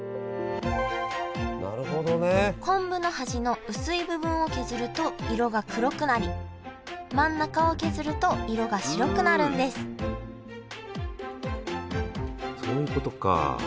昆布の端の薄い部分を削ると色が黒くなり真ん中を削ると色が白くなるんですそういうことか。